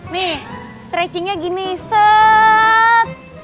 nih stretchingnya gini set